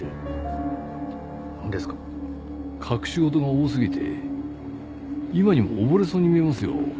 隠し事が多すぎて今にも溺れそうに見えますよ。